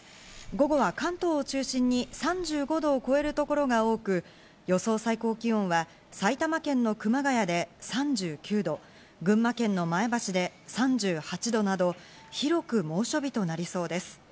午後は関東を中心に３５度を超える所が多く、予想最高気温は埼玉県の熊谷で３９度、群馬県の前橋で３８度など、広く猛暑日となりそうです。